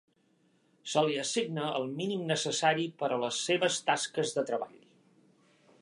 Se li assigna el mínim necessari per a les seves tasques de treball.